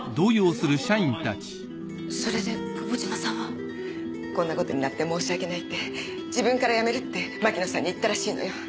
それで久保島さんは？こんなことになって申し訳ないって自分から辞めるって牧野さんに言ったらしいのよ。